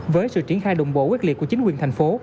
với sự triển khai đồng bộ quyết liệt của chính quyền thành phố